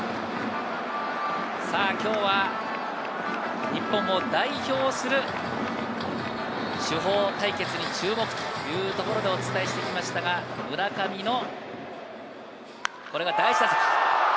今日は日本を代表する主砲対決に注目というところでお伝えしてきましたが、村上の第１打席。